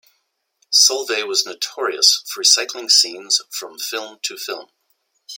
Solvay was notorious for recycling scenes from film to film.